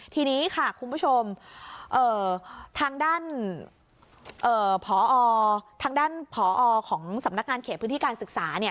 ทีนี้ค่ะคุณผู้ชมทางด้านผอทางด้านผอของสำนักงานเขตพื้นที่การศึกษา